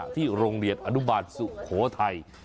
ที่โรงเรียนอนุบาลสุโขทัย